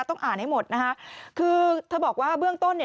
ต้องอ่านให้หมดนะคะคือเธอบอกว่าเบื้องต้นเนี่ย